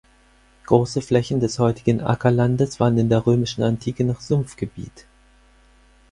Große Flächen des heutigen Ackerlandes waren in der römischen Antike noch Sumpfgebiet.